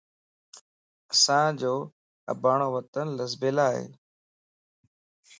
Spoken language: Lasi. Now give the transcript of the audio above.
اسانجو اباڻون وطن لسيبلا ائي